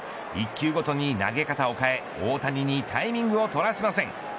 １球ごとに投げ方を変え、大谷にタイミングを取らせません。